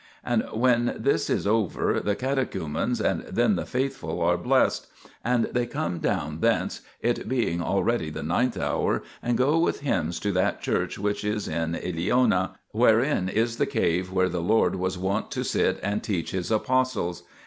And when this is over, the catechumens and then the faithful are blessed, and they come down thence, it being already the ninth hour, and go with hymns to that church which is in Eleona, wherein is the cave where the Lord was wont to sit and teach His Apostles.